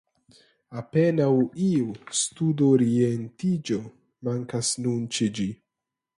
Apenaŭ iu studorientiĝo mankas nun ĉe ĝi.